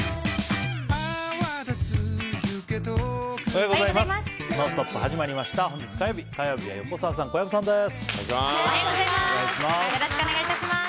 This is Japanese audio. おはようございます。